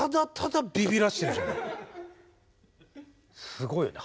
すごいよね。